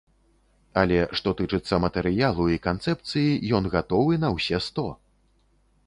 Але, што тычыцца матэрыялу і канцэпцыі, ён гатовы на ўсе сто!